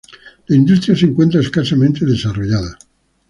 La industria se encuentra escasamente desarrollada.